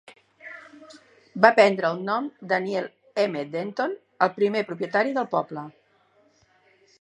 Va prendre el nom de Daniel M. Denton, el primer propietari del poble.